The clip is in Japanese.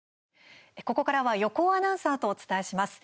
ここからは横尾アナウンサーとお伝えします。